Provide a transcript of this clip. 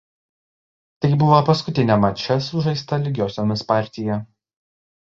Tai buvo paskutinė mače sužaista lygiosiomis partija.